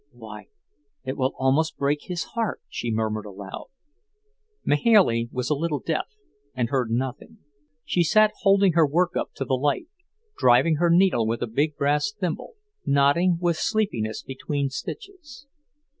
"Why, it will almost break his heart," she murmured aloud. Mahailey was a little deaf and heard nothing. She sat holding her work up to the light, driving her needle with a big brass thimble, nodding with sleepiness between stitches.